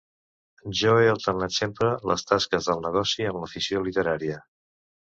Jo he alternat sempre les tasques del negoci amb l'afició literària.